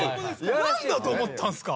何だと思ったんですか。